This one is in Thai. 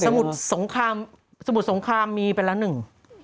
สมุดสงครามสมุดสงครามมีเป็นละหนึ่ง